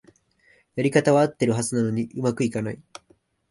やり方はあってるはずなのに上手くいかない